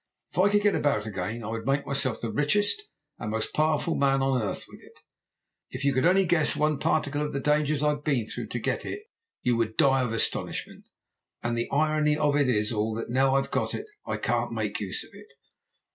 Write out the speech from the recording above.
If I could get about again I would make myself the richest and most powerful man on earth with it. If you could only guess one particle of the dangers I've been through to get it you would die of astonishment. And the irony of it all is that now I've got it I can't make use of it.